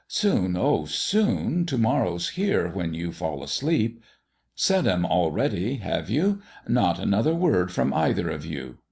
Soon oh, soon ! To morrow's here when you fall asleep. Said 'em already, have you? Not another word from either of you.